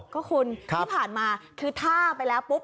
ก็คุณที่ผ่านมาคือท่าไปแล้วปุ๊บ